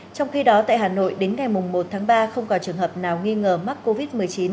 trong khi đó tại hà nội đến ngày một tháng ba không có trường hợp nào nghi ngờ mắc covid một mươi chín